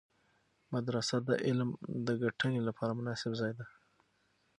مدرسه د علم د ګټنې لپاره مناسب ځای دی.